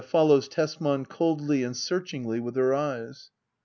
[FoUows Tesman coldli^ and searchingly with her eyes."